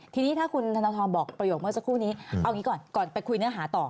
ทีนี้ถ้าคุณธนทรบอกประโยคเมื่อสักครู่นี้เอางี้ก่อนก่อนไปคุยเนื้อหาต่อ